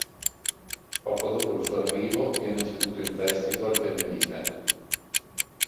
Poco dopo il suo arrivo, viene ceduto in prestito al Tenerife.